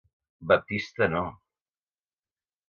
Baptista no...